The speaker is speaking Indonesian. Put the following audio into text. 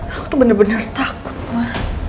aku tuh bener bener takut mah